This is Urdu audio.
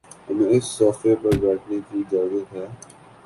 ہمیں اس صوفے پر بیٹھنے کی اجازت ہے